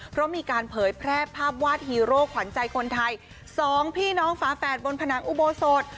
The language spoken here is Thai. เพราะมีการเผยแพร่ภาพวาดฮีโร่ขวัญใจคนไทยสองพี่น้องฝาแฝดบนผนังอุโบสถ